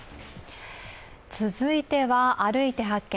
続いては、「歩いて発見！